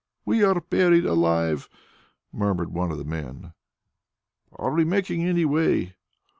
"We are buried alive!" murmured one of the men. "Are we making any way?"